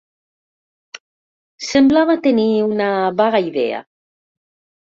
Semblava tenir una vaga idea.